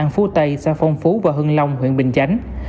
phong phú và hưng long huyện bình chánh